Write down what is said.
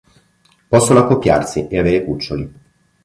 Possono accoppiarsi e avere cuccioli.